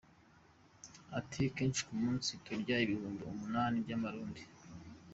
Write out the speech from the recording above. Ati "Akenshi ku munsi turya ibihumbi umunani by’amarundi".